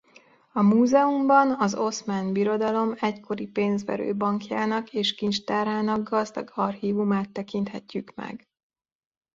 A múzeumban az Oszmán Birodalom egykori pénzverő bankjának és kincstárának gazdag archívumát tekinthetjük meg.